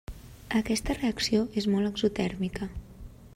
Aquesta reacció és molt exotèrmica.